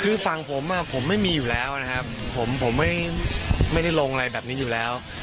คือฝั่งผมผมไม่มีอยู่แล้วนะครับผมไม่ได้ลงอะไรแบบนี้อยู่แล้ว